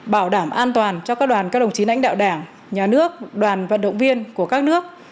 bảo đảm an toàn cho các đoàn các đồng chí lãnh đạo đảng nhà nước đoàn vận động viên của các nước